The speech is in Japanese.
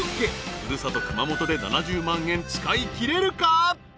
古里熊本で７０万円使いきれるか？］